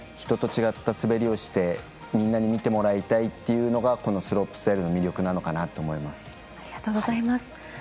人と違った滑りをして、みんなに見てもらいたいというのがこのスロープスタイルの魅力なのかなと思います。